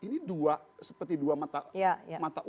itu dua seperti dua mata uang loh